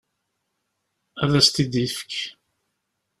Ad as-t-id-ifek.